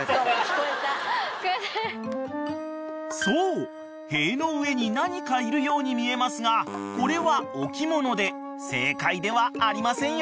［そう塀の上に何かいるように見えますがこれは置物で正解ではありませんよ］